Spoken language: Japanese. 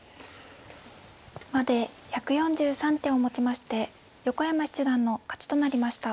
まで１４３手をもちまして横山七段の勝ちとなりました。